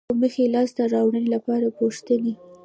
د موخې لاسته راوړنې لپاره پوښتنې